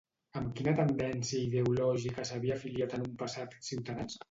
Amb quina tendència ideològica s'havia afiliat en un passat, Ciutadans?